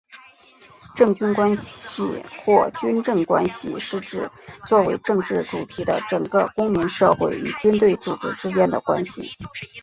政军关系或军政关系是指作为政治主体的整个公民社会与军队组织之间的关系。